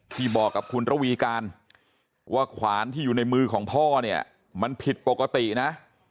ที่บอกกับคุณระวีการว่าขวานที่อยู่ในมือของพ่อเนี่ยมันผิดปกตินะ